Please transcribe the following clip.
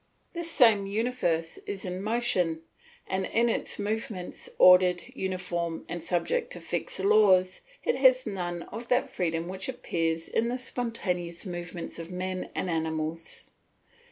This same universe is in motion, and in its movements, ordered, uniform, and subject to fixed laws, it has none of that freedom which appears in the spontaneous movements of men and animals.